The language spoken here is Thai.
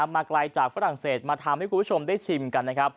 มาไกลจากฝรั่งเศสมาทำให้คุณผู้ชมได้ชิมกันนะครับ